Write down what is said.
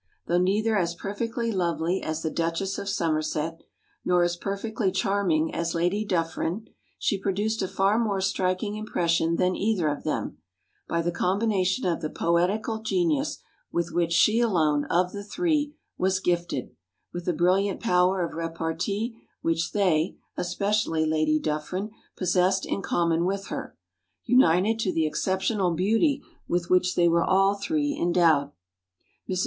Though neither as perfectly lovely as the Duchess of Somerset, nor as perfectly charming as Lady Dufferin, she produced a far more striking impression than either of them, by the combination of the poetical genius with which she alone, of the three, was gifted, with the brilliant power of repartee which they (especially Lady Dufferin) possessed in common with her, united to the exceptional beauty with which they were all three endowed. Mrs.